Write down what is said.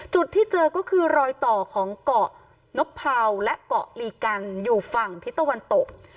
จุดที่เจอก็คือรอยต่อของเกาะนกเผาและเกาะลีกันอยู่ฝั่งทิศตะวันตก